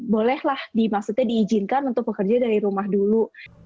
bolehlah dimaksudnya diizinkan untuk bekerja dari rumah dulu